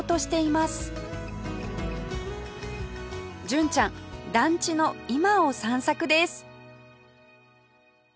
純ちゃん団地の今を散策です